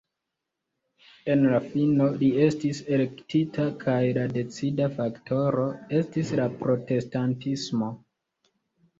En la fino, li estis elektita kaj la decida faktoro estis la protestantismo.